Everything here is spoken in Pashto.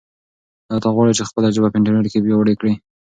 آیا ته غواړې چې خپله ژبه په انټرنیټ کې پیاوړې کړې؟